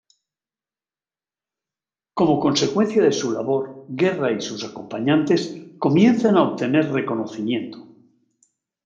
Como consecuencia de su labor, Guerra y sus acompañantes comienzan a obtener reconocimiento.